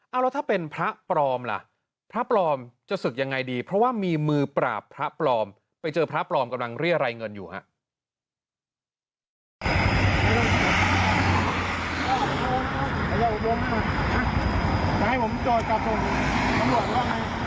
เอาแล้วถ้าเป็นพระปลอมล่ะพระปลอมจะศึกยังไงดีเพราะว่ามีมือปราบพระปลอมไปเจอพระปลอมกำลังเรียรัยเงินอยู่ครับ